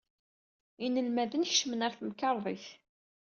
Inelmaden kecmen ɣer temkerḍit.